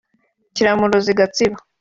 Kiramuruzi (Gatsibo)